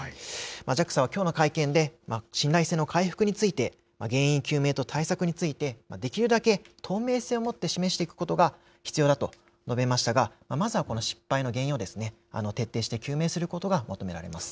ＪＡＸＡはきょうの会見で、信頼性の回復について、原因究明と対策について、できるだけ透明性をもって示していくことが必要だと述べましたが、まずはこの失敗の原因を徹底して究明することが求められます。